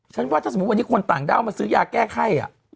ว่าถ้าสมมุติวันนี้คนต่างด้าวมาซื้อยาแก้ไข้